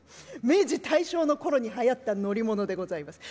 明治大正の頃にはやった乗り物でございます。